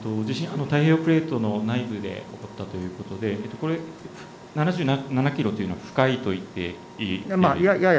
太平洋プレートの内部で起こったということで、これ、７７キロというのは深いと言っていい？